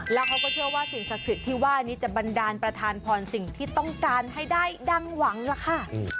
แล้วเขาก็เชื่อว่าสิ่งศักดิ์สิทธิ์ที่ว่านี้จะบันดาลประธานพรสิ่งที่ต้องการให้ได้ดังหวังล่ะค่ะ